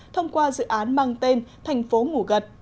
thông qua dự án mang tên thành phố ngủ gật